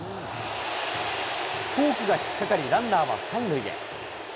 フォークが引っ掛かり、ランナーは３塁へ。